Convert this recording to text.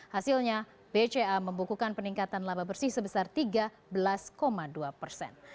hasilnya bca membukukan peningkatan laba bersih sebesar tiga belas dua persen